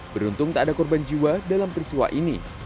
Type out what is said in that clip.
beruntung tak ada korban jiwa dalam peristiwa ini